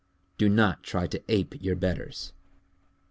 _Do not try to ape your betters.